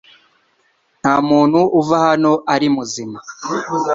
Ntamuntu uva hano ari muzima